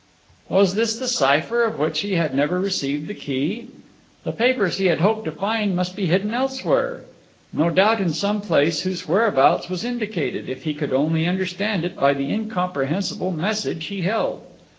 Was this the cipher, of which he had never received the key? The papers he had hoped to find must be hidden elsewhere. No doubt in some place whose whereabouts was indicated, if he could only understand it, by the incomprehensible message he held.